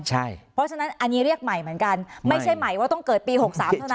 เพราะฉะนั้นอันนี้เรียกใหม่เหมือนกันไม่ใช่ใหม่ว่าต้องเกิดปี๖๓เท่านั้น